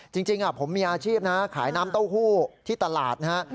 จริงผมมีอาชีพนะขายน้ำเต้าหู้ที่ตลาดนะฮะ